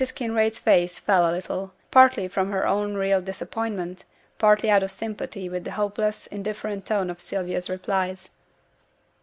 Kinraid's face fell a little, partly from her own real disappointment, partly out of sympathy with the hopeless, indifferent tone of Sylvia's replies.